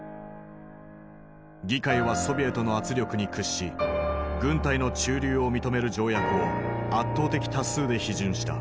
議会はソビエトの圧力に屈し軍隊の駐留を認める条約を圧倒的多数で批准した。